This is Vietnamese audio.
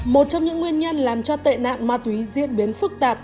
một trong những nguyên nhân làm cho tệ nạn ma túy diễn biến phức tạp